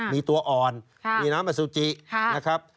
มีตัวอ่อนมีน้ำอสุจินะครับ